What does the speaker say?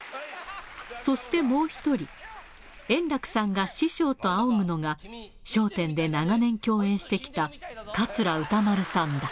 そして、もう一人、円楽さんが師匠と仰ぐのが、笑点で長年、共演してきた桂歌丸さんだ。